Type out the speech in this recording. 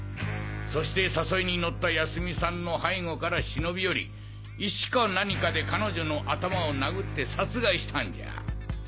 そして誘いに乗った泰美さんの背後から忍び寄り石か何かで彼女の頭を殴って殺害したんじゃ！